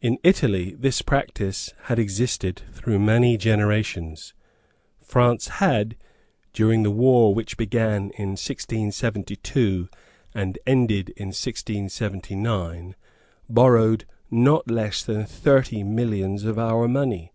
In Italy this practice had existed through many generations. France had, during the war which began in 1672 and ended in 1679, borrowed not less than thirty millions of our money.